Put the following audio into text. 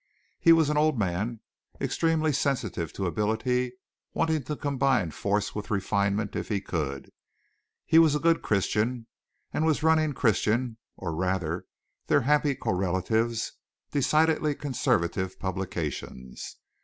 He was an old man, extremely sensitive to ability, wanting to combine force with refinement if he could; he was a good Christian, and was running Christian, or rather their happy correlatives, decidedly conservative publications.